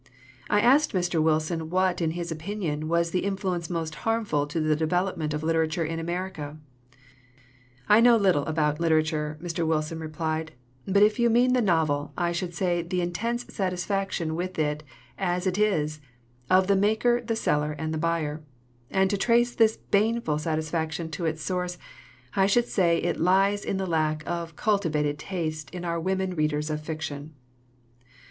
I asked Mr. Wilson what, in his opinion, was the influence most harmful to the development of literature in America. "I know little about literature," Mr. Wilson 101 LITERATURE IN THE MAKING replied, "but if you mean the novel, I should say the intense satisfaction with it as it is, of the maker, the seller, and the buyer. And to trace this baneful satisfaction to its source, I should say it lies in the lack of a cultivated taste in our women readers of fiction.